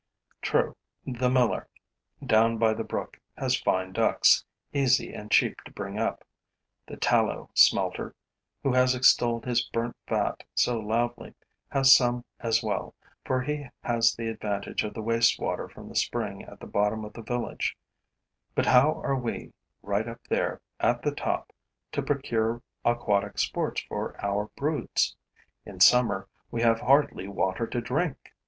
True, the miller, down by the brook, has fine ducks, easy and cheap to bring up; the tallow smelter, who has extolled his burnt fat so loudly, has some as well, for he has the advantage of the waste water from the spring at the bottom of the village; but how are we, right up there, at the top, to procure aquatic sports for our broods? In summer, we have hardly water to drink!